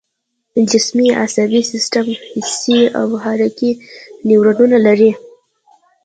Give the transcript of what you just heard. جسمي عصبي سیستم حسي او حرکي نیورونونه لري